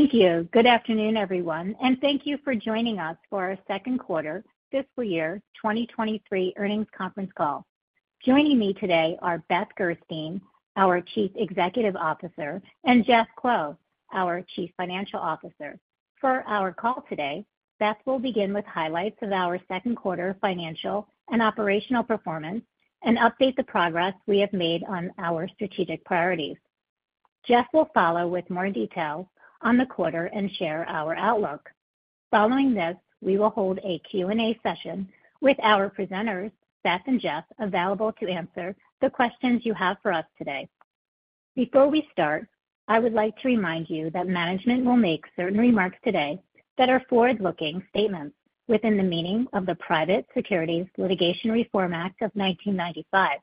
Thank you. Good afternoon, everyone, and thank you for joining us for our second quarter fiscal year 2023 earnings conference call. Joining me today are Beth Gerstein, our Chief Executive Officer, and Jeff Kuo, our Chief Financial Officer. For our call today, Beth will begin with highlights of our second quarter financial and operational performance and update the progress we have made on our strategic priorities. Jeff will follow with more details on the quarter and share our outlook. Following this, we will hold a Q&A session with our presenters, Beth and Jeff, available to answer the questions you have for us today. Before we start, I would like to remind you that management will make certain remarks today that are forward-looking statements within the meaning of the Private Securities Litigation Reform Act of 1995.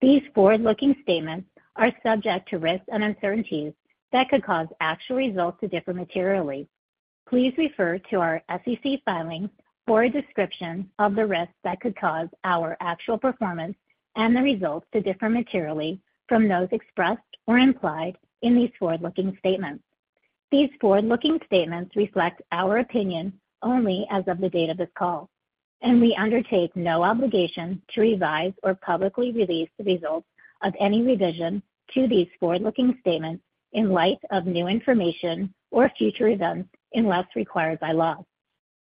These forward-looking statements are subject to risks and uncertainties that could cause actual results to differ materially. Please refer to our SEC filings for a description of the risks that could cause our actual performance and the results to differ materially from those expressed or implied in these forward-looking statements. These forward-looking statements reflect our opinion only as of the date of this call, and we undertake no obligation to revise or publicly release the results of any revision to these forward-looking statements in light of new information or future events, unless required by law.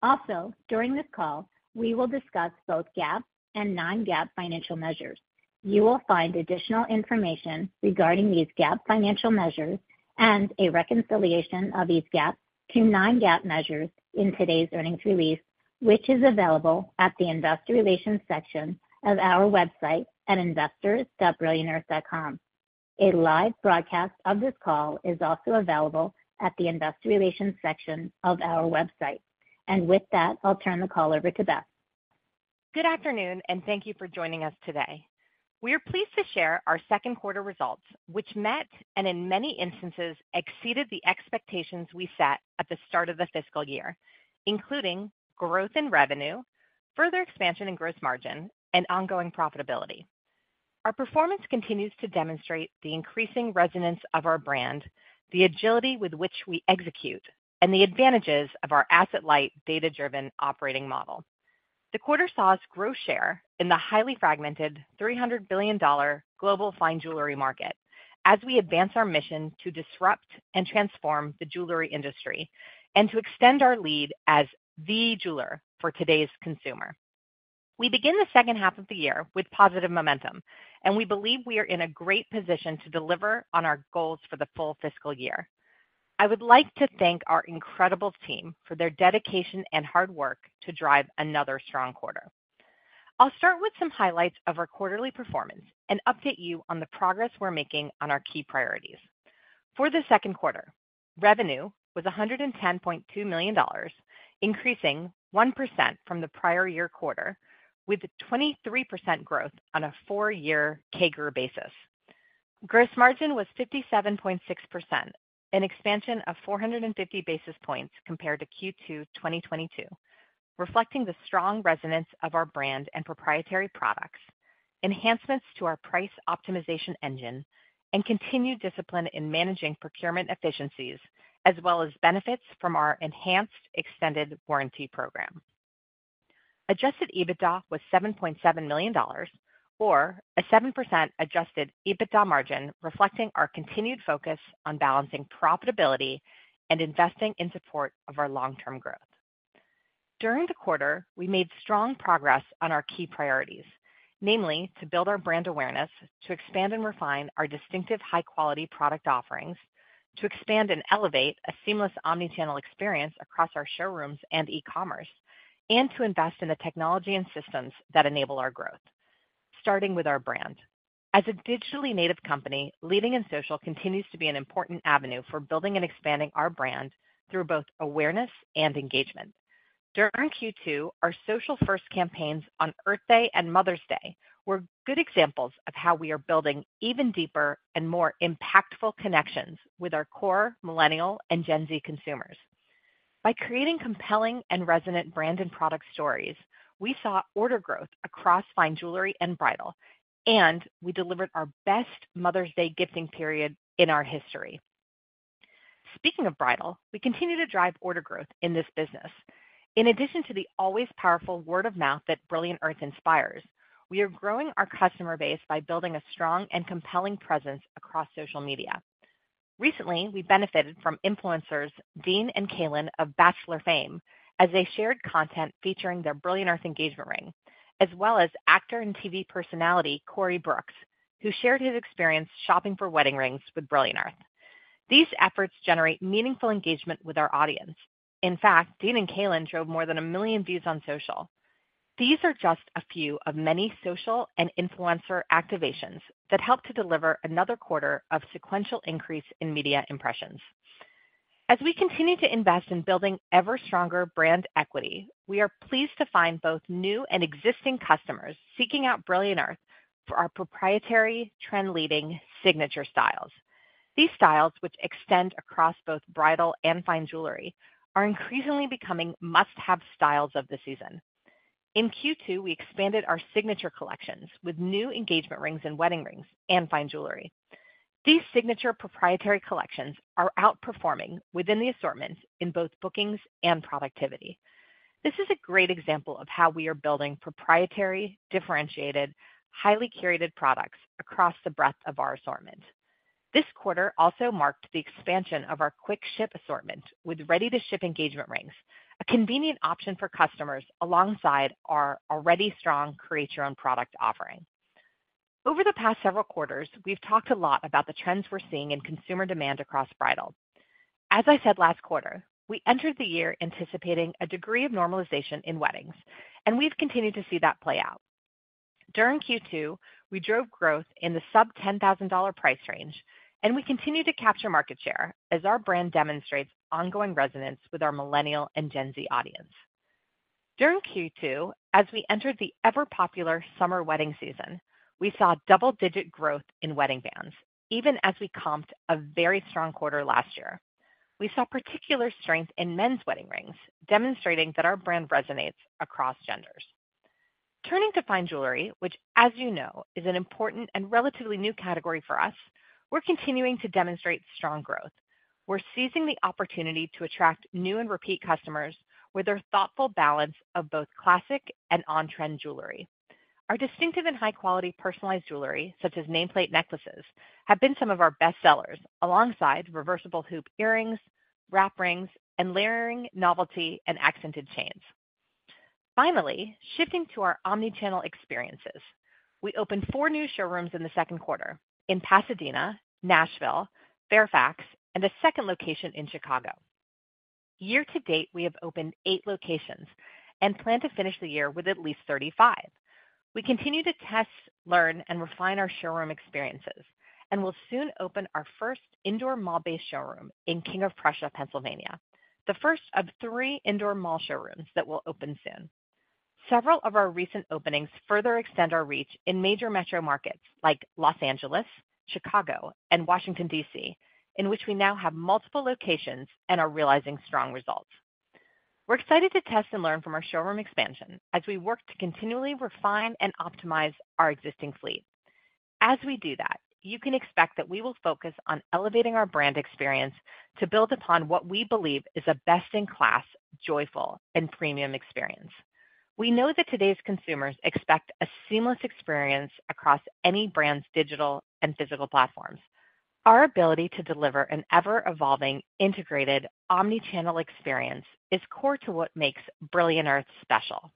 Also, during this call, we will discuss both GAAP and non-GAAP financial measures. You will find additional information regarding these GAAP financial measures and a reconciliation of these GAAP to non-GAAP measures in today's earnings release, which is available at the investor relations section of our website at investors.brilliantearth.com. A live broadcast of this call is also available at the investor relations section of our website. With that, I'll turn the call over to Beth. Good afternoon. Thank you for joining us today. We are pleased to share our second quarter results, which met and in many instances, exceeded the expectations we set at the start of the fiscal year, including growth in revenue, further expansion in gross margin, and ongoing profitability. Our performance continues to demonstrate the increasing resonance of our brand, the agility with which we execute, and the advantages of our asset-light, data-driven operating model. The quarter saw us grow share in the highly fragmented $300 billion global fine jewelry market as we advance our mission to disrupt and transform the jewelry industry and to extend our lead as the jeweler for today's consumer. We begin the second half of the year with positive momentum. We believe we are in a great position to deliver on our goals for the full fiscal year. I would like to thank our incredible team for their dedication and hard work to drive another strong quarter. I'll start with some highlights of our quarterly performance and update you on the progress we're making on our key priorities. For the second quarter, revenue was $110.2 million, increasing 1% from the prior year quarter, with a 23% growth on a four-year CAGR basis. Gross margin was 57.6%, an expansion of 450 basis points compared to Q2 2022, reflecting the strong resonance of our brand and proprietary products, enhancements to our price optimization engine, and continued discipline in managing procurement efficiencies, as well as benefits from our enhanced extended warranty program. Adjusted EBITDA was $7.7 million, or a 7% Adjusted EBITDA margin, reflecting our continued focus on balancing profitability and investing in support of our long-term growth. During the quarter, we made strong progress on our key priorities, namely, to build our brand awareness, to expand and refine our distinctive, high-quality product offerings, to expand and elevate a seamless omni-channel experience across our showrooms and e-commerce, and to invest in the technology and systems that enable our growth. Starting with our brand. As a digitally native company, leading in social continues to be an important avenue for building and expanding our brand through both awareness and engagement. During Q2, our social-first campaigns on Earth Day and Mother's Day were good examples of how we are building even deeper and more impactful connections with our core Millennial and Gen Z consumers. By creating compelling and resonant brand and product stories, we saw order growth across fine jewelry and bridal, and we delivered our best Mother's Day gifting period in our history. Speaking of bridal, we continue to drive order growth in this business. In addition to the always powerful word of mouth that Brilliant Earth inspires, we are growing our customer base by building a strong and compelling presence across social media. Recently, we benefited from influencers Dean and Caelynn of The Bachelor fame, as they shared content featuring their Brilliant Earth engagement ring, as well as actor and TV personality Corey Brooks, who shared his experience shopping for wedding rings with Brilliant Earth. These efforts generate meaningful engagement with our audience. In fact, Dean and Caelynn drove more than one million views on social. These are just a few of many social and influencer activations that help to deliver another quarter of sequential increase in media impressions. As we continue to invest in building ever stronger brand equity, we are pleased to find both new and existing customers seeking out Brilliant Earth for our proprietary, trend-leading signature styles. These styles, which extend across both bridal and fine jewelry, are increasingly becoming must-have styles of the season. In Q2, we expanded our signature collections with new engagement rings and wedding rings and fine jewelry. These signature proprietary collections are outperforming within the assortments in both bookings and productivity. This is a great example of how we are building proprietary, differentiated, highly curated products across the breadth of our assortment. This quarter also marked the expansion of our quick ship assortment with ready-to-ship engagement rings, a convenient option for customers, alongside our already strong Create Your Own product offering. Over the past several quarters, we've talked a lot about the trends we're seeing in consumer demand across bridal. As I said last quarter, we entered the year anticipating a degree of normalization in weddings, and we've continued to see that play out. During Q2, we drove growth in the sub-$10,000 price range, and we continued to capture market share as our brand demonstrates ongoing resonance with our Millennial and Gen Z audience. During Q2, as we entered the ever-popular summer wedding season, we saw double-digit growth in wedding bands, even as we comped a very strong quarter last year. We saw particular strength in men's wedding rings, demonstrating that our brand resonates across genders. Turning to fine jewelry, which, as you know, is an important and relatively new category for us, we're continuing to demonstrate strong growth. We're seizing the opportunity to attract new and repeat customers with their thoughtful balance of both classic and on-trend jewelry. Our distinctive and high-quality personalized jewelry, such as nameplate necklaces, have been some of our best sellers, alongside reversible hoop earrings, wrap rings, and layering novelty and accented chains. Finally, shifting to our omni-channel experiences, we opened four new showrooms in the second quarter: in Pasadena, Nashville, Fairfax, and a second location in Chicago. Year to date, we have opened eight locations and plan to finish the year with at least 35. We continue to test, learn, and refine our showroom experiences, and will soon open our first indoor mall-based showroom in King of Prussia, Pennsylvania, the first of three indoor mall showrooms that will open soon. Several of our recent openings further extend our reach in major metro markets like Los Angeles, Chicago, and Washington, D.C., in which we now have multiple locations and are realizing strong results. We're excited to test and learn from our showroom expansion as we work to continually refine and optimize our existing fleet. As we do that, you can expect that we will focus on elevating our brand experience to build upon what we believe is a best-in-class, joyful, and premium experience. We know that today's consumers expect a seamless experience across any brand's digital and physical platforms. Our ability to deliver an ever-evolving, integrated, omni-channel experience is core to what makes Brilliant Earth special.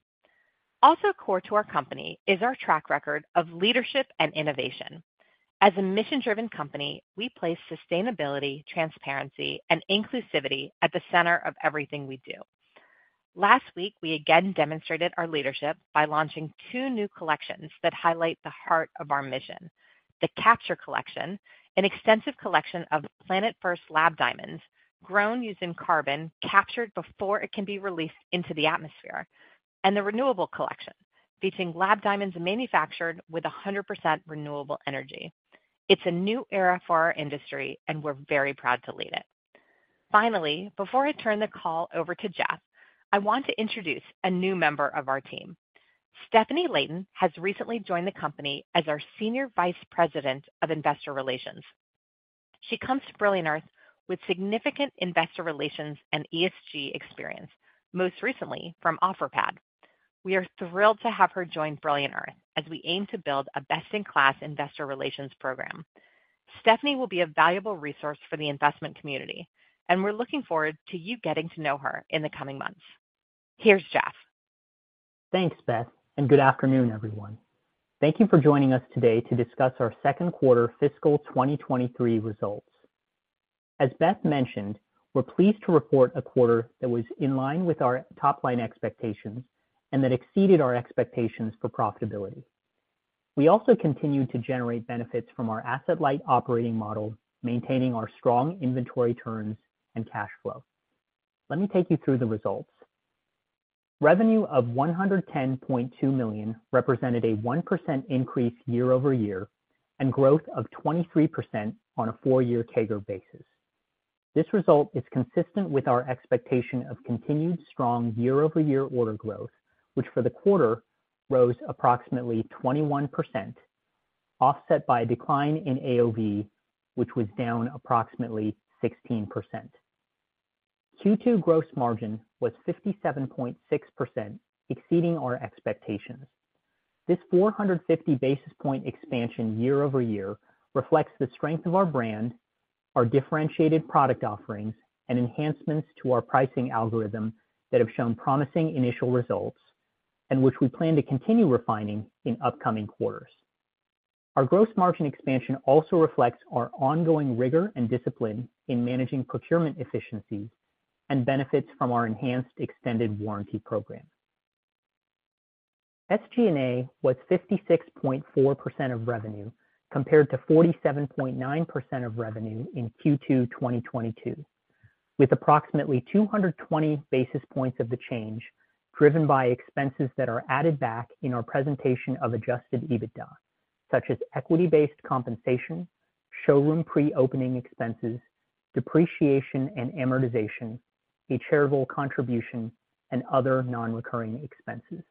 Also core to our company is our track record of leadership and innovation. As a mission-driven company, we place sustainability, transparency, and inclusivity at the center of everything we do. Last week, we again demonstrated our leadership by launching two new collections that highlight the heart of our mission: the Capture Collection, an extensive collection of Planet First Lab Diamonds, grown using carbon, captured before it can be released into the atmosphere, and the Renewable Collection, featuring lab diamonds manufactured with 100% renewable energy. It's a new era for our industry, we're very proud to lead it. Finally, before I turn the call over to Jeff, I want to introduce a new member of our team. Stefanie Layton has recently joined the company as our Senior Vice President of Investor Relations. She comes to Brilliant Earth with significant investor relations and ESG experience, most recently from Offerpad. We are thrilled to have her join Brilliant Earth as we aim to build a best-in-class investor relations program. Stefanie will be a valuable resource for the investment community, and we're looking forward to you getting to know her in the coming months. Here's Jeff. Thanks, Beth. Good afternoon, everyone. Thank you for joining us today to discuss our second quarter fiscal 2023 results. As Beth mentioned, we're pleased to report a quarter that was in line with our top-line expectations and that exceeded our expectations for profitability. We also continued to generate benefits from our asset-light operating model, maintaining our strong inventory turns and cash flow. Let me take you through the results. Revenue of $110.2 million represented a 1% increase year-over-year and growth of 23% on a four-year CAGR basis. This result is consistent with our expectation of continued strong year-over-year order growth, which for the quarter rose approximately 21%, offset by a decline in AOV, which was down approximately 16%. Q2 gross margin was 57.6%, exceeding our expectations. This 450 basis point expansion year-over-year reflects the strength of our brand, our differentiated product offerings, and enhancements to our pricing algorithm that have shown promising initial results. Which we plan to continue refining in upcoming quarters. Our gross margin expansion also reflects our ongoing rigor and discipline in managing procurement efficiencies and benefits from our enhanced extended warranty program. SG&A was 56.4% of revenue, compared to 47.9% of revenue in Q2 2022, with approximately 220 basis points of the change driven by expenses that are added back in our presentation of Adjusted EBITDA, such as equity-based compensation, showroom pre-opening expenses, depreciation and amortization, a charitable contribution, and other nonrecurring expenses.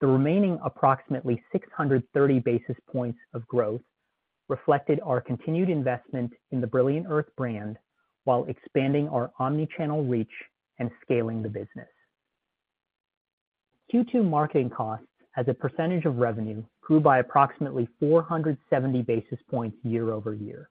The remaining approximately 630 basis points of growth reflected our continued investment in the Brilliant Earth brand while expanding our omni-channel reach and scaling the business. Q2 marketing costs as a percentage of revenue grew by approximately 470 basis points year-over-year.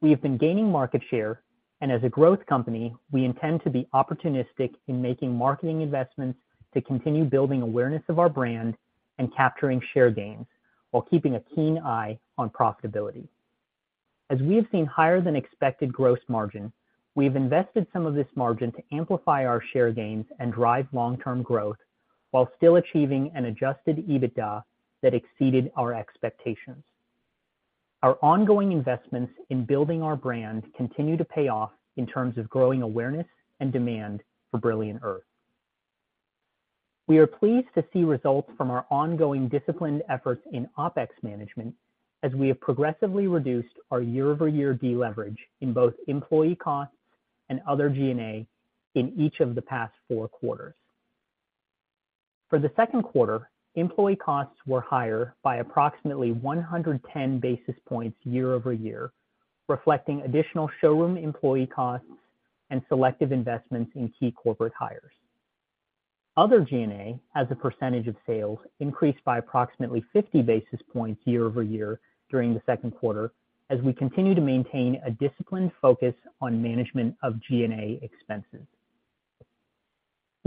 We have been gaining market share, and as a growth company, we intend to be opportunistic in making marketing investments to continue building awareness of our brand and capturing share gains, while keeping a keen eye on profitability. As we have seen higher than expected gross margin, we've invested some of this margin to amplify our share gains and drive long-term growth while still achieving an adjusted EBITDA that exceeded our expectations. Our ongoing investments in building our brand continue to pay off in terms of growing awareness and demand for Brilliant Earth. We are pleased to see results from our ongoing disciplined efforts in OpEx management, as we have progressively reduced our year-over-year deleverage in both employee costs and other G&A in each of the past four quarters. For the second quarter, employee costs were higher by approximately 110 basis points year-over-year, reflecting additional showroom employee costs and selective investments in key corporate hires. Other G&A, as a percentage of sales, increased by approximately 50 basis points year-over-year during the second quarter, as we continue to maintain a disciplined focus on management of G&A expenses.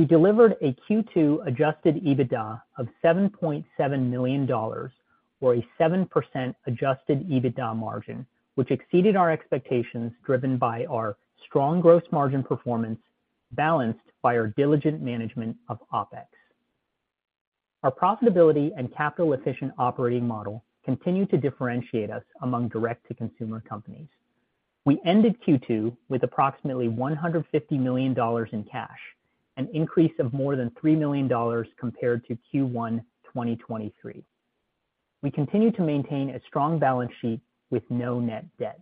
We delivered a Q2 Adjusted EBITDA of $7.7 million, or a 7% Adjusted EBITDA margin, which exceeded our expectations, driven by our strong gross margin performance, balanced by our diligent management of OpEx. Our profitability and capital-efficient operating model continue to differentiate us among direct-to-consumer companies. We ended Q2 with approximately $150 million in cash, an increase of more than $3 million compared to Q1 2023. We continue to maintain a strong balance sheet with no net debt.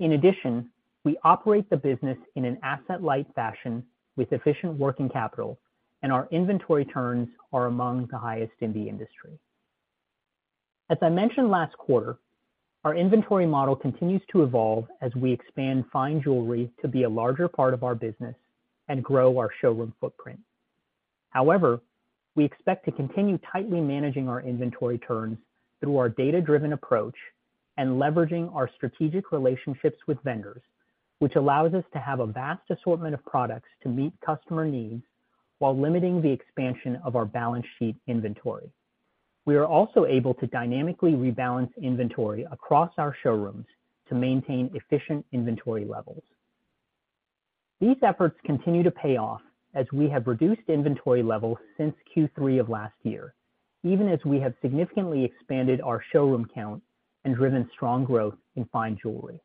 In addition, we operate the business in an asset-light fashion with efficient working capital, and our inventory turns are among the highest in the industry. As I mentioned last quarter, our inventory model continues to evolve as we expand fine jewelry to be a larger part of our business and grow our showroom footprint. However, we expect to continue tightly managing our inventory turns through our data-driven approach and leveraging our strategic relationships with vendors, which allows us to have a vast assortment of products to meet customer needs while limiting the expansion of our balance sheet inventory. We are also able to dynamically rebalance inventory across our showrooms to maintain efficient inventory levels. These efforts continue to pay off as we have reduced inventory levels since Q3 of last year, even as we have significantly expanded our showroom count and driven strong growth in fine jewelry.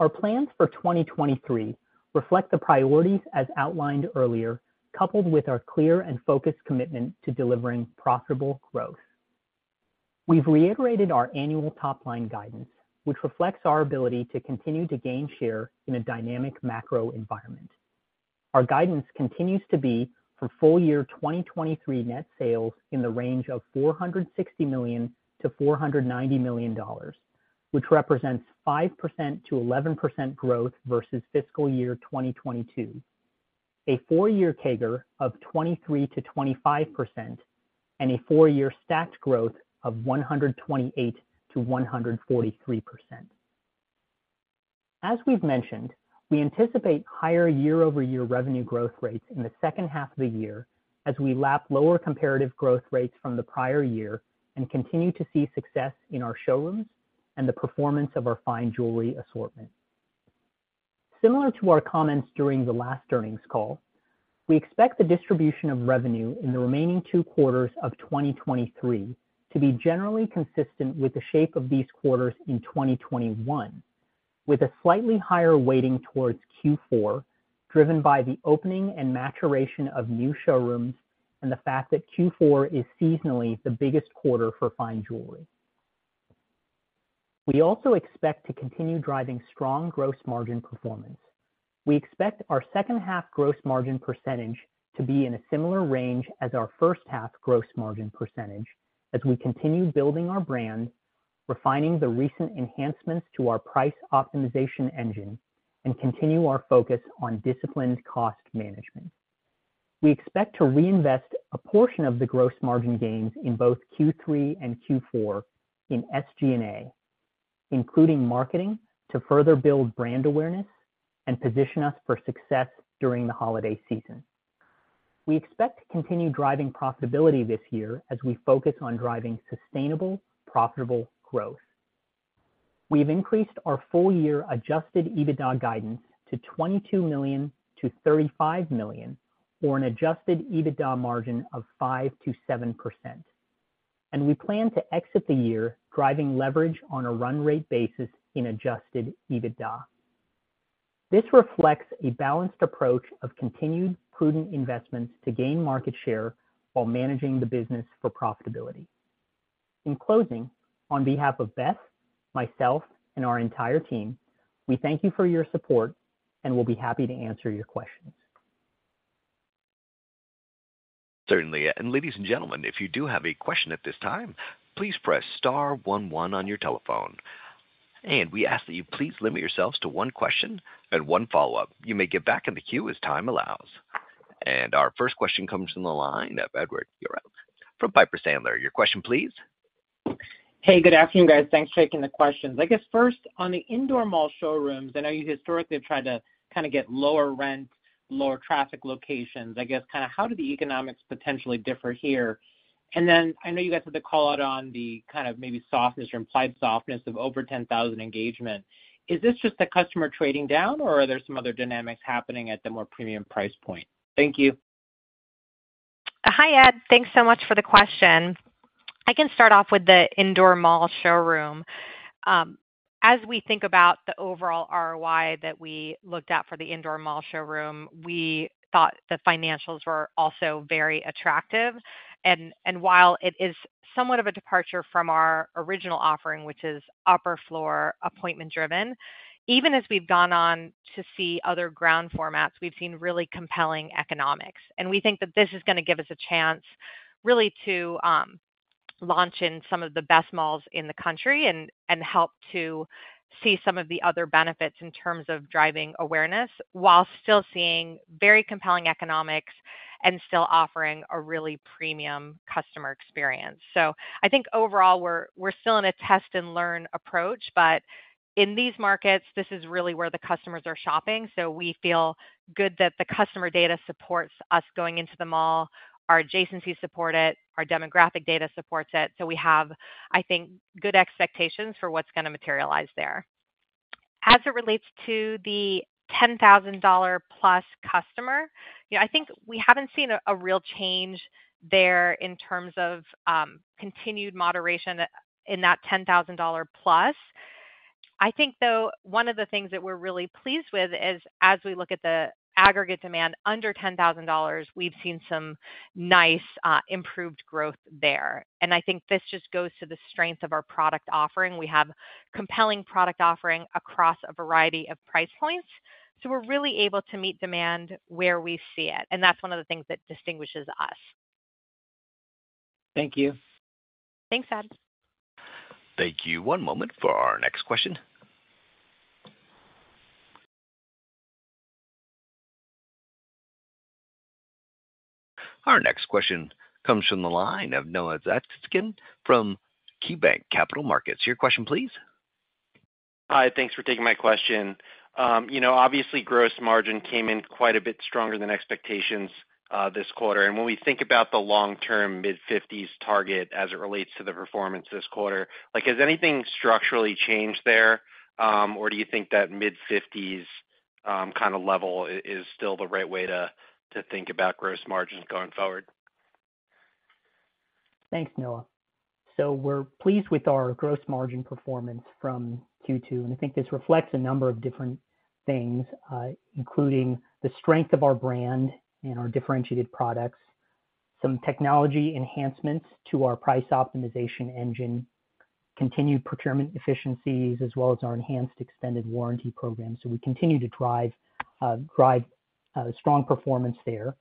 Our plans for 2023 reflect the priorities as outlined earlier, coupled with our clear and focused commitment to delivering profitable growth. We've reiterated our annual top-line guidance, which reflects our ability to continue to gain share in a dynamic macro environment. Our guidance continues to be for full year 2023 net sales in the range of $460 million-$490 million, which represents 5%-11% growth versus fiscal year 2022, a four-year CAGR of 23%-25%, and a four-year stacked growth of 128%-143%. As we've mentioned, we anticipate higher year-over-year revenue growth rates in the second half of the year as we lap lower comparative growth rates from the prior year and continue to see success in our showrooms and the performance of our fine jewelry assortment. Similar to our comments during the last earnings call, we expect the distribution of revenue in the remaining two quarters of 2023 to be generally consistent with the shape of these quarters in 2021, with a slightly higher weighting towards Q4, driven by the opening and maturation of new showrooms and the fact that Q4 is seasonally the biggest quarter for fine jewelry. We also expect to continue driving strong gross margin performance. We expect our second half gross margin percentage to be in a similar range as our first half gross margin percentage as we continue building our brand, refining the recent enhancements to our price optimization engine, and continue our focus on disciplined cost management. We expect to reinvest a portion of the gross margin gains in both Q3 and Q4 in SG&A, including marketing, to further build brand awareness and position us for success during the holiday season. We expect to continue driving profitability this year as we focus on driving sustainable, profitable growth. We've increased our full year adjusted EBITDA guidance to $22 million-$35 million, or an adjusted EBITDA margin of 5%-7%, and we plan to exit the year driving leverage on a run rate basis in adjusted EBITDA.... This reflects a balanced approach of continued prudent investments to gain market share, while managing the business for profitability. In closing, on behalf of Beth, myself, and our entire team, we thank you for your support, and we'll be happy to answer your questions. Certainly. Ladies and gentlemen, if you do have a question at this time, please press star one one on your telephone. We ask that you please limit yourselves to one question and one follow-up. You may get back in the queue as time allows. Our first question comes from the line of Edward Yruma from Piper Sandler. Your question, please. H ey, good afternoon, guys. Thanks for taking the questions. I guess first, on the indoor mall showrooms, I know you historically have tried to kind of get lower rent, lower traffic locations. I guess, kind of how do the economics potentially differ here? I know you guys had to call out on the kind of maybe softness or implied softness of over $10,000 engagement. Is this just a customer trading down, or are there some other dynamics happening at the more premium price point? Thank you. Hi, Ed. Thanks so much for the question. I can start off with the indoor mall showroom. As we think about the overall ROI that we looked at for the indoor mall showroom, we thought the financials were also very attractive. And, and while it is somewhat of a departure from our original offering, which is upper floor, appointment-driven, even as we've gone on to see other ground formats, we've seen really compelling economics. We think that this is gonna give us a chance, really to launch in some of the best malls in the country and, and help to see some of the other benefits in terms of driving awareness, while still seeing very compelling economics and still offering a really premium customer experience. I think overall, we're still in a test-and-learn approach, but in these markets, this is really where the customers are shopping, so we feel good that the customer data supports us going into the mall. Our adjacencies support it, our demographic data supports it. We have, I think, good expectations for what's gonna materialize there. As it relates to the $10,000 plus customer, you know, I think we haven't seen a real change there in terms of continued moderation in that $10,000 plus. I think, though, one of the things that we're really pleased with is, as we look at the aggregate demand under $10,000, we've seen some nice improved growth there. I think this just goes to the strength of our product offering. We have compelling product offering across a variety of price points, so we're really able to meet demand where we see it, and that's one of the things that distinguishes us. Thank you. Thanks, Ed. Thank you. One moment for our next question. Our next question comes from the line of Noah Zatzkin from KeyBanc Capital Markets. Your question, please. Hi, thanks for taking my question. you know, obviously, gross margin came in quite a bit stronger than expectations, this quarter. When we think about the long-term mid-fifties target as it relates to the performance this quarter, like, has anything structurally changed there? Do you think that mid-fifties, kind of level is still the right way to think about gross margins going forward? Thanks, Noah. We're pleased with our gross margin performance from Q2, and I think this reflects a number of different things, including the strength of our brand and our differentiated products, some technology enhancements to our price optimization engine, continued procurement efficiencies, as well as our enhanced extended warranty program. We continue to drive, drive, strong performance there.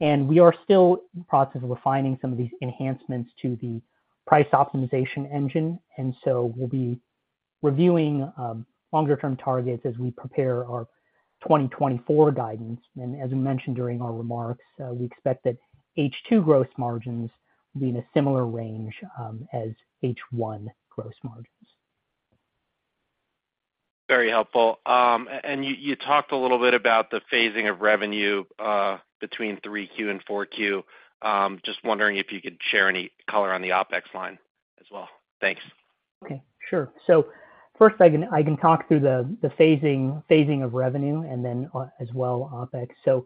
We are still in the process of refining some of these enhancements to the price optimization engine, and so we'll be reviewing, longer term targets as we prepare our 2024 guidance. As I mentioned during our remarks, we expect that H2 gross margins will be in a similar range, as H1 gross margins. Very helpful. You, you talked a little bit about the phasing of revenue, between 3Q and 4Q. Just wondering if you could share any color on the OpEx line as well. Thanks. Okay, sure. First, I can, I can talk through the, the phasing, phasing of revenue and then, as well, OpEx. As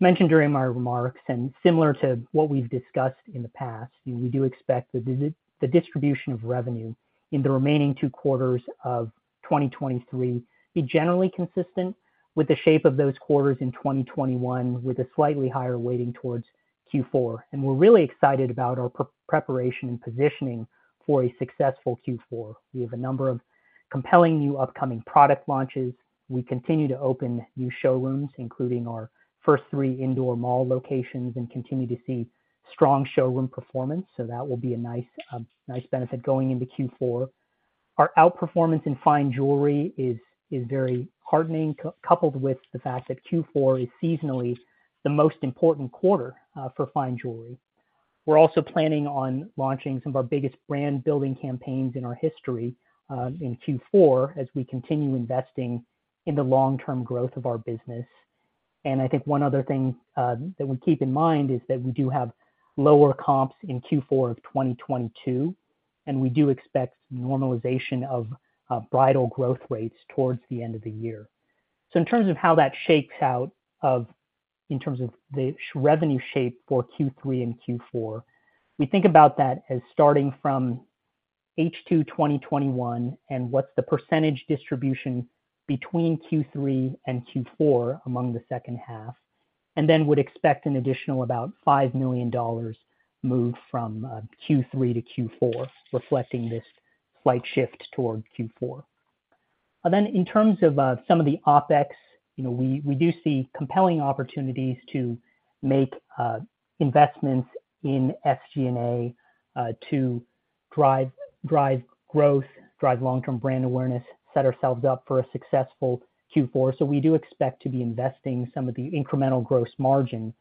mentioned during my remarks, and similar to what we've discussed in the past, we do expect the dis-- the distribution of revenue in the remaining two quarters of 2023, be generally consistent with the shape of those quarters in 2021, with a slightly higher weighting towards Q4. We're really excited about our pr-preparation and positioning for a successful Q4. We have a number of compelling new upcoming product launches. We continue to open new showrooms, including our first three indoor mall locations, and continue to see strong showroom performance. That will be a nice, nice benefit going into Q4. Our outperformance in fine jewelry is, is very heartening, coupled with the fact that Q4 is seasonally the most important quarter for fine jewelry. We're also planning on launching some of our biggest brand-building campaigns in our history in Q4, as we continue investing in the long-term growth of our business. I think one other thing that we keep in mind is that we do have lower comps in Q4 of 2022, and we do expect normalization of bridal growth rates towards the end of the year. In terms of how that shapes out of in terms of the revenue shape for Q3 and Q4, we think about that as starting from. H2 2021. What's the percentage distribution between Q3 and Q4 among the second half? Would expect an additional about $5 million moved from Q3 to Q4, reflecting this slight shift toward Q4. In terms of some of the OpEx, you know, we do see compelling opportunities to make investments in SG&A to drive growth, drive long-term brand awareness, set ourselves up for a successful Q4. We do expect to be investing some of the incremental gross margin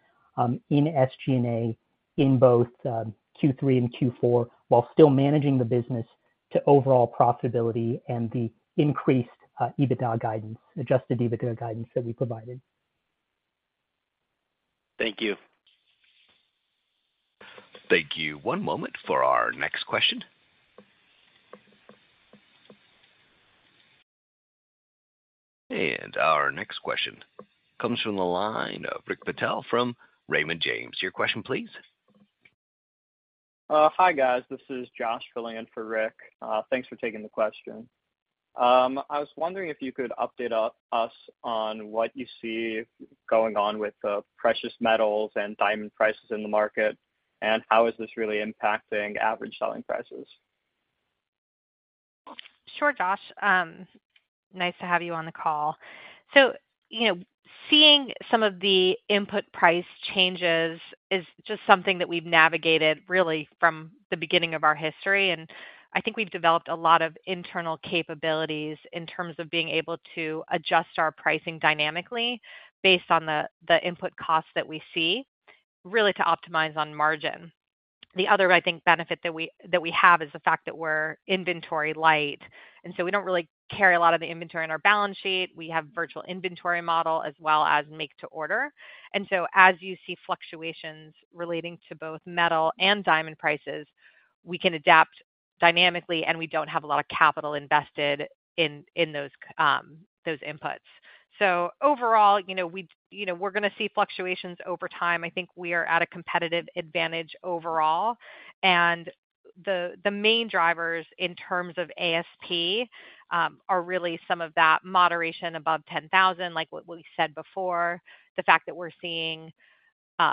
in SG&A in both Q3 and Q4, while still managing the business to overall profitability and the increased EBITDA guidance, adjusted EBITDA guidance that we provided. Thank you. Thank you. One moment for our next question. Our next question comes from the line of Rick Patel from Raymond James. Your question, please. Hi, guys. This is Josh filling in for Rick. Thanks for taking the question. I was wondering if you could update us, us on what you see going on with the precious metals and diamond prices in the market, and how is this really impacting average selling prices? Sure, Josh. Nice to have you on the call. You know, seeing some of the input price changes is just something that we've navigated really from the beginning of our history, and I think we've developed a lot of internal capabilities in terms of being able to adjust our pricing dynamically based on the, the input costs that we see, really to optimize on margin. The other, I think, benefit that we, that we have is the fact that we're inventory light, and so we don't really carry a lot of the inventory on our balance sheet. We have virtual inventory model as well as make to order. As you see fluctuations relating to both metal and diamond prices, we can adapt dynamically, and we don't have a lot of capital invested in, in those, those inputs. Overall, you know, you know, we're gonna see fluctuations over time. I think we are at a competitive advantage overall, and the, the main drivers in terms of ASP are really some of that moderation above 10,000, like what we said before, the fact that we're seeing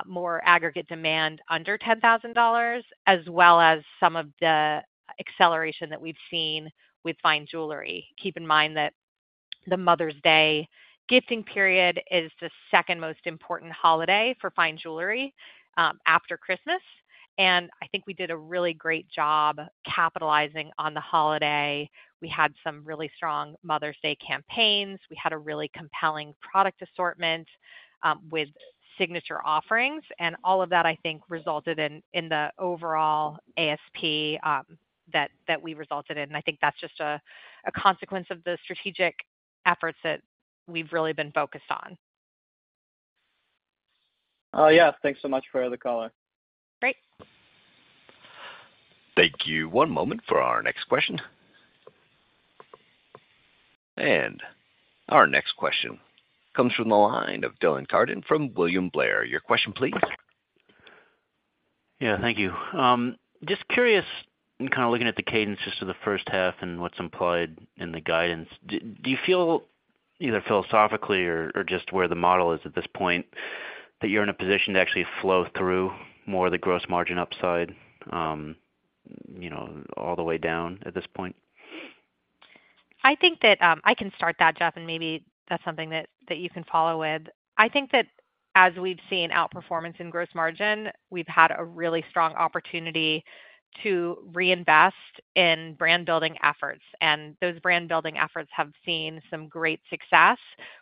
more aggregate demand under $10,000, as well as some of the acceleration that we've seen with fine jewelry. Keep in mind that the Mother's Day gifting period is the second most important holiday for fine jewelry after Christmas. I think we did a really great job capitalizing on the holiday. We had some really strong Mother's Day campaigns. We had a really compelling product assortment with signature offerings, and all of that, I think, resulted in the overall ASP that we resulted in. I think that's just a consequence of the strategic efforts that we've really been focused on. Yeah. Thanks so much for the color. Great. Thank you. One moment for our next question. Our next question comes from the line of Dylan Carden from William Blair. Your question, please. Yeah, thank you. Just curious, and kind of looking at the cadences of the first half and what's implied in the guidance, do you feel, either philosophically or, or just where the model is at this point, that you're in a position to actually flow through more of the gross margin upside, you know, all the way down at this point? I think that I can start that, Jeff, and maybe that's something that, that you can follow with. I think that as we've seen outperformance in gross margin, we've had a really strong opportunity to reinvest in brand building efforts, and those brand building efforts have seen some great success.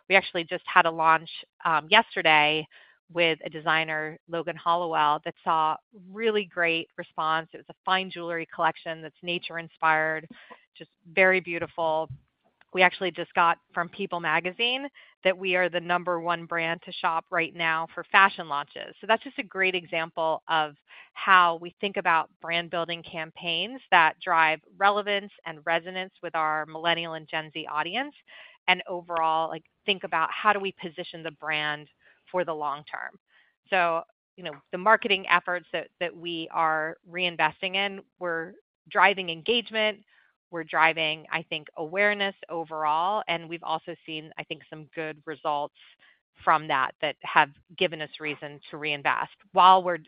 We actually just had a launch yesterday with a designer, Logan Hollowell, that saw really great response. It was a fine jewelry collection that's nature inspired, just very beautiful. We actually just got from People magazine that we are the number one brand to shop right now for fashion launches. So that's just a great example of how we think about brand building campaigns that drive relevance and resonance with our millennial and Gen Z audience, and overall, like, think about how do we position the brand for the long term. You know, the marketing efforts that, that we are reinvesting in, we're driving engagement, we're driving, I think, awareness overall, and we've also seen, I think, some good results from that, that have given us reason to reinvest. While we're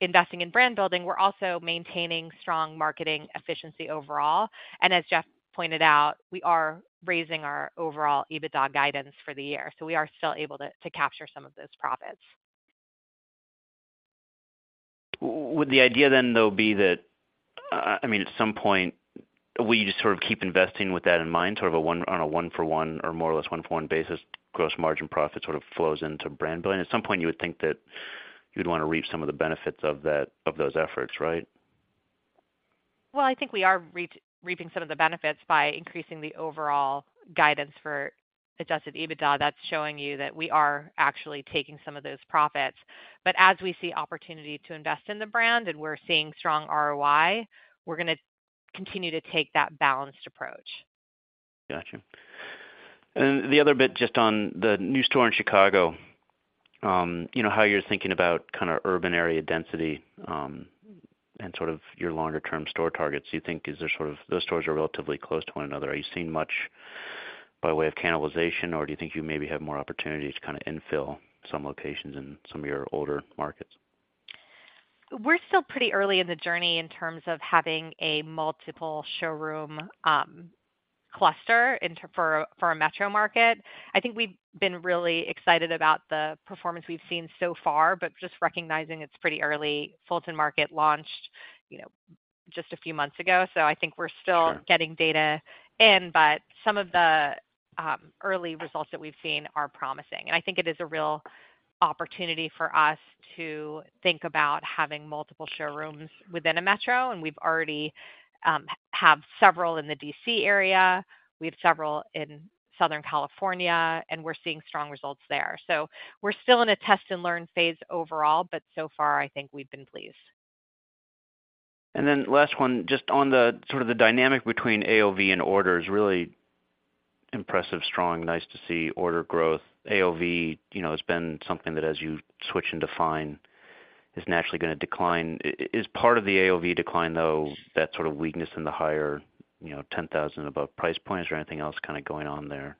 investing in brand building, we're also maintaining strong marketing efficiency overall. As Jeff pointed out, we are raising our overall EBITDA guidance for the year, so we are still able to, to capture some of those profits. Would the idea then, though, be that, I mean, at some point, will you just sort of keep investing with that in mind, sort of a one-for-one or more or less one-for-one basis, gross margin profit sort of flows into brand building? At some point, you would think that you'd want to reap some of the benefits of those efforts, right? Well, I think we are reaping some of the benefits by increasing the overall guidance for Adjusted EBITDA. That's showing you that we are actually taking some of those profits. As we see opportunity to invest in the brand and we're seeing strong ROI, we're gonna continue to take that balanced approach. Gotcha. The other bit, just on the new store in Chicago, you know, how you're thinking about kind of urban area density, and sort of your longer term store targets. Do you think is there sort of those stores are relatively close to one another? Are you seeing much by way of cannibalization, or do you think you maybe have more opportunity to kind of infill some locations in some of your older markets? We're still pretty early in the journey in terms of having a multiple showroom, cluster for a metro market. I think we've been really excited about the performance we've seen so far, but just recognizing it's pretty early. Fulton Market launched, you know, just a few months ago. Sure. getting data in. Some of the early results that we've seen are promising. I think it is a real opportunity for us to think about having multiple showrooms within a metro, and we've already have several in the D.C. area, we have several in Southern California, and we're seeing strong results there. We're still in a test and learn phase overall, but so far I think we've been pleased. Last one, just on the sort of the dynamic between AOV and orders, really impressive, strong, nice to see order growth. AOV, you know, has been something that as you switch and define, is naturally gonna decline. Is part of the AOV decline, though, that sort of weakness in the higher, you know, 10,000 above price points, or anything else kind of going on there,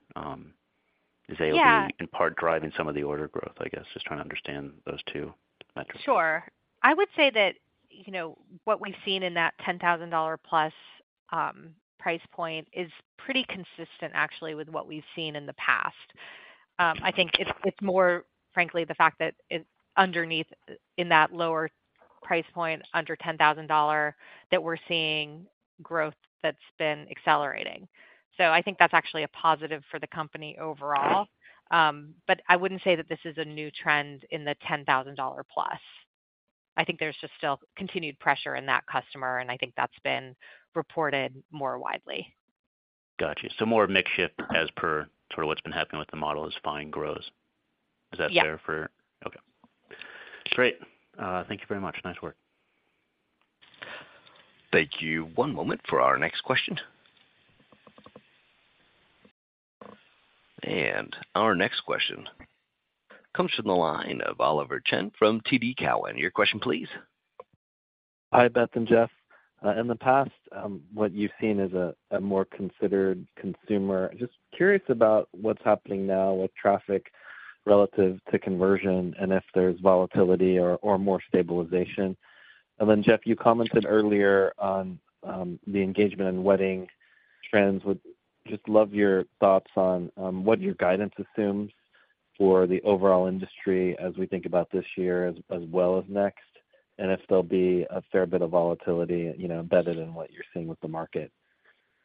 is AOV- Yeah. In part, driving some of the order growth, I guess, just trying to understand those 2 metrics. Sure. I would say that, you know, what we've seen in that $10,000+ price point is pretty consistent actually with what we've seen in the past. I think it's, it's more frankly, the fact that it's underneath, in that lower price point, under $10,000, that we're seeing growth that's been accelerating. I think that's actually a positive for the company overall. I wouldn't say that this is a new trend in the $10,000+. I think there's just still continued pressure in that customer, and I think that's been reported more widely. Got you. More mix shift as per sort of what's been happening with the model as Fine grows. Yeah. Is that fair for? Okay. Great. Thank you very much. Nice work. Thank you. One moment for our next question. Our next question comes from the line of Oliver Chen from TD Cowen. Your question, please. Hi, Beth and Jeff. In the past, what you've seen as a, a more considered consumer, just curious about what's happening now with traffic relative to conversion, and if there's volatility or, or more stabilization. Jeff, you commented earlier on the engagement and wedding trends. Would just love your thoughts on what your guidance assumes for the overall industry as we think about this year as well as next, and if there'll be a fair bit of volatility, you know, embedded in what you're seeing with the market.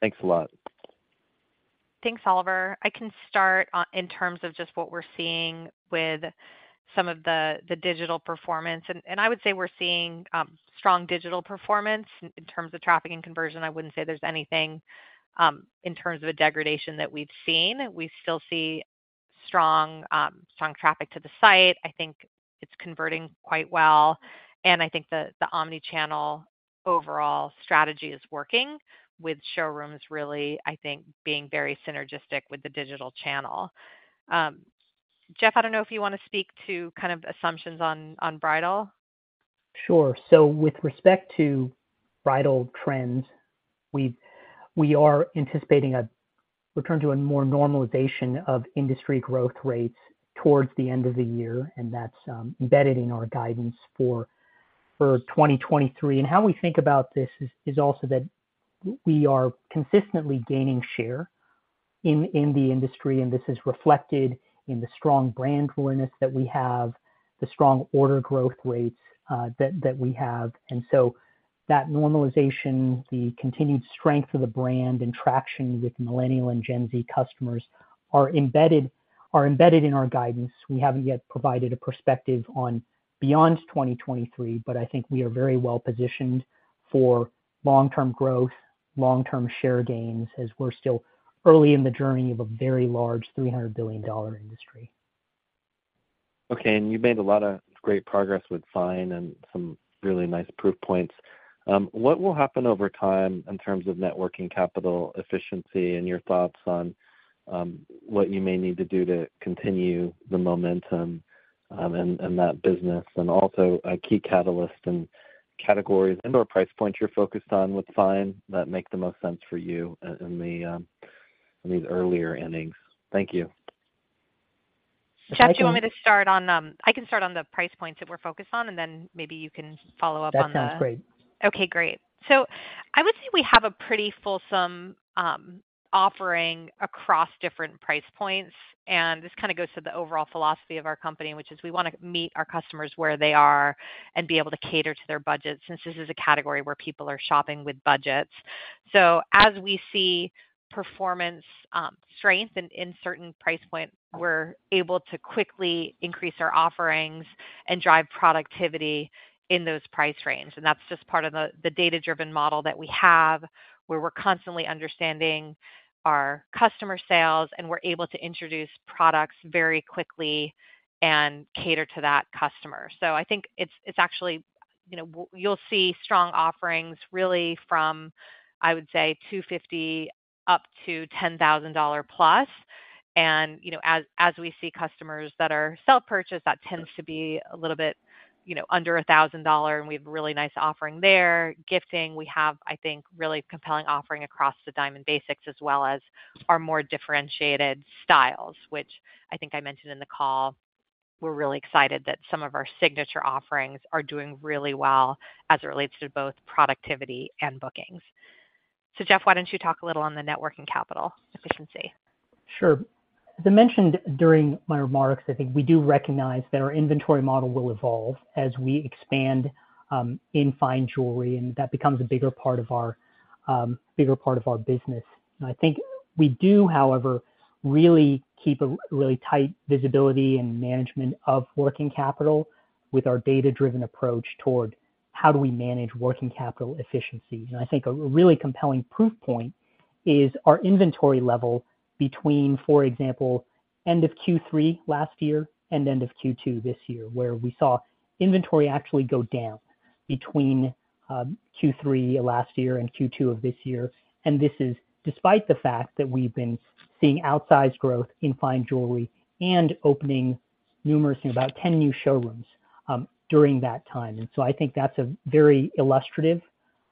Thanks a lot. Thanks, Oliver. I can start on, in terms of just what we're seeing with some of the, the digital performance. I would say we're seeing strong digital performance in terms of traffic and conversion. I wouldn't say there's anything in terms of a degradation that we've seen. We still see strong, strong traffic to the site. I think it's converting quite well, and I think the, the omni-channel overall strategy is working with showrooms really, I think, being very synergistic with the digital channel. Jeff, I don't know if you want to speak to kind of assumptions on, on bridal. Sure. With respect to bridal trends, we, we are anticipating a return to a more normalization of industry growth rates towards the end of the year, and that's embedded in our guidance for, for 2023. How we think about this is, is also that w-we are consistently gaining share in, in the industry, and this is reflected in the strong brand awareness that we have, the strong order growth rates that, that we have. That normalization, the continued strength of the brand and traction with millennial and Gen Z customers are embedded, are embedded in our guidance. We haven't yet provided a perspective on beyond 2023, but I think we are very well positioned for long-term growth, long-term share gains, as we're still early in the journey of a very large $300 billion industry. Okay, you've made a lot of great progress with Fine and some really nice proof points. What will happen over time in terms of networking, capital efficiency, and your thoughts on what you may need to do to continue the momentum in that business? Also, a key catalyst and categories and/or price points you're focused on with Fine that make the most sense for you in the in these earlier innings. Thank you. I think- Jeff, do you want me to start on? I can start on the price points that we're focused on, and then maybe you can follow up on. That sounds great. Okay, great. I would say we have a pretty fulsome offering across different price points, and this kind of goes to the overall philosophy of our company, which is we want to meet our customers where they are and be able to cater to their budget, since this is a category where people are shopping with budgets. As we see performance strength in, in certain price points, we're able to quickly increase our offerings and drive productivity in those price ranges. That's just part of the data-driven model that we have, where we're constantly understanding our customer sales, and we're able to introduce products very quickly and cater to that customer. I think it's, it's actually. You know, you'll see strong offerings really from, I would say, $250 up to $10,000 plus. You know, as, as we see customers that are self-purchase, that tends to be a little bit, you know, under $1,000, and we have a really nice offering there. Gifting, we have, I think, really compelling offering across the diamond basics as well as our more differentiated styles, which I think I mentioned in the call. We're really excited that some of our signature offerings are doing really well as it relates to both productivity and bookings. Jeff, why don't you talk a little on the networking capital efficiency? Sure. As I mentioned during my remarks, I think we do recognize that our inventory model will evolve as we expand in fine jewelry, and that becomes a bigger part of our bigger part of our business. I think we do, however, really keep a really tight visibility and management of working capital with our data-driven approach toward how do we manage working capital efficiency. I think a really compelling proof point is our inventory level between, for example, end of Q3 last year and end of Q2 this year, where we saw inventory actually go down between Q3 last year and Q2 of this year. This is despite the fact that we've been seeing outsized growth in fine jewelry and opening numerous, about ten new showrooms during that time. I think that's a very illustrative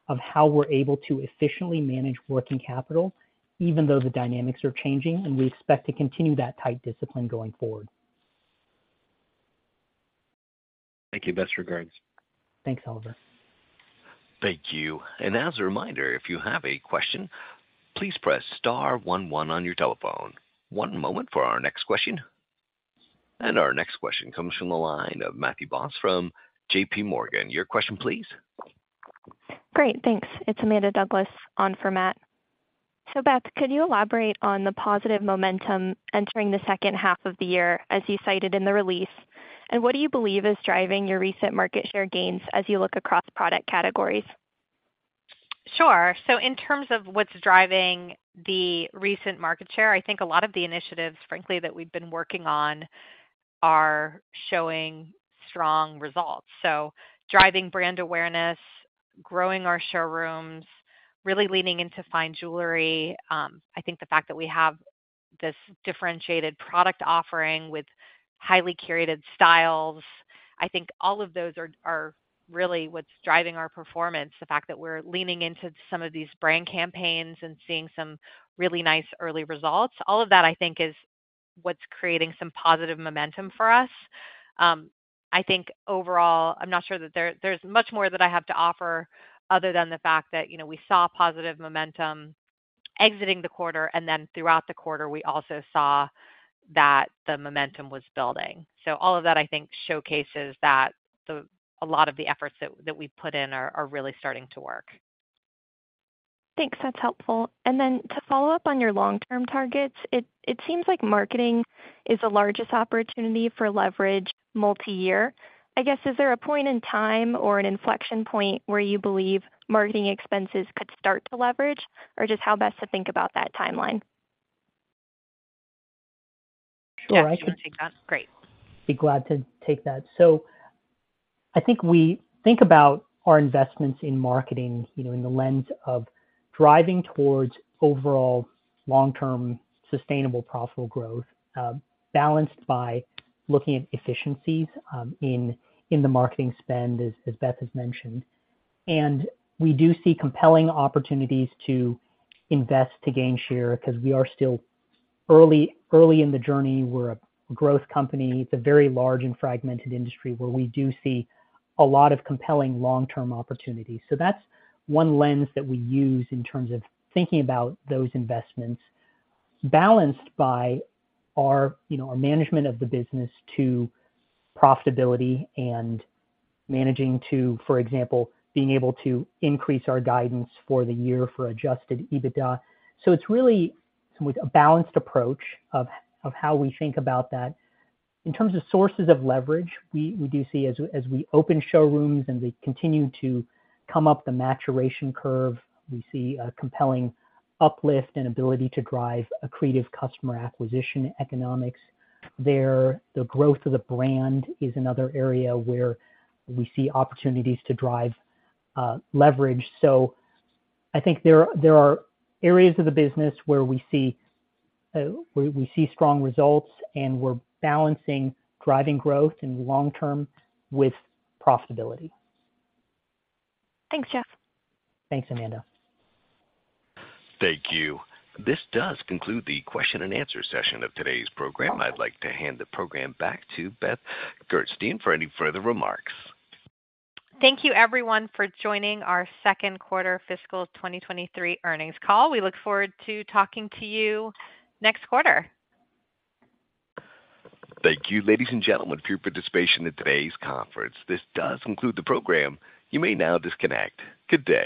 of how we're able to efficiently manage working capital, even though the dynamics are changing, and we expect to continue that tight discipline going forward. Thank you. Best regards. Thanks, Oliver. Thank you. As a reminder, if you have a question, please press star one one on your telephone. One moment for our next question. Our next question comes from the line of Matthew Boss from J.P. Morgan. Your question, please. Great, thanks. It's Amanda Douglas on for Matt. Beth, could you elaborate on the positive momentum entering the second half of the year, as you cited in the release? What do you believe is driving your recent market share gains as you look across product categories? Sure. In terms of what's driving the recent market share, I think a lot of the initiatives, frankly, that we've been working on are showing strong results. Driving brand awareness, growing our showrooms, really leaning into fine jewelry. I think the fact that we have this differentiated product offering with highly curated styles, I think all of those are, are really what's driving our performance. The fact that we're leaning into some of these brand campaigns and seeing some really nice early results. All of that, I think, is what's creating some positive momentum for us. I think overall, I'm not sure that there- there's much more that I have to offer other than the fact that, you know, we saw positive momentum exiting the quarter, and then throughout the quarter, we also saw that the momentum was building. All of that, I think, showcases that a lot of the efforts that we've put in are really starting to work. Thanks. That's helpful. Then to follow up on your long-term targets, it seems like marketing is the largest opportunity for leverage multi-year. I guess, is there a point in time or an inflection point where you believe marketing expenses could start to leverage, or just how best to think about that timeline? Jeff, do you want to take that? Great. Be glad to take that. I think we think about our investments in marketing, you know, in the lens of driving towards overall long-term, sustainable, profitable growth, balanced by looking at efficiencies in the marketing spend, as Beth has mentioned. We do see compelling opportunities to invest to gain share because we are still early, early in the journey. We're a growth company. It's a very large and fragmented industry where we do see a lot of compelling long-term opportunities. That's one lens that we use in terms of thinking about those investments, balanced by our, you know, our management of the business to profitability and managing to, for example, being able to increase our guidance for the year for Adjusted EBITDA. It's really a balanced approach of how we think about that. In terms of sources of leverage, we do see as we open showrooms and they continue to come up the maturation curve, we see a compelling uplift and ability to drive accretive customer acquisition economics there. The growth of the brand is another area where we see opportunities to drive leverage. I think there, there are areas of the business where we see strong results, and we're balancing driving growth in the long term with profitability. Thanks, Jeff. Thanks, Amanda. Thank you. This does conclude the question and answer session of today's program. I'd like to hand the program back to Beth Gerstein for any further remarks. Thank you, everyone, for joining our second quarter fiscal 2023 earnings call. We look forward to talking to you next quarter. Thank you, ladies and gentlemen, for your participation in today's conference. This does conclude the program. You may now disconnect. Good day.